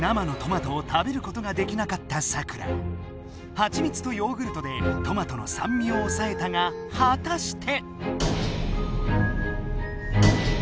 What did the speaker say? はちみつとヨーグルトでトマトのさんみをおさえたがはたして。